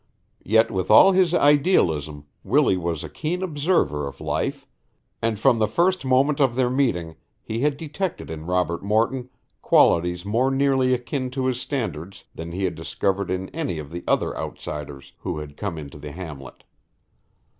Yet with all his idealism Willie was a keen observer of life, and from the first moment of their meeting he had detected in Robert Morton qualities more nearly akin to his standards than he had discovered in any of the other outsiders who had come into the hamlet.